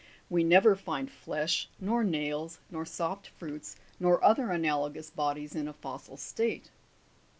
We never find flesh, nor nails, nor soft fruits, nor other analogous bodies, in a fossil state.